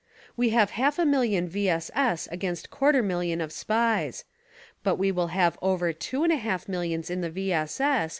We have half a million V. S. S. against quarter m.illion of SPIES ; but we will have over two and a half millions in the V. S. S.